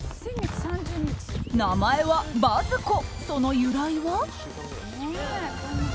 名前はバズ子、その由来は。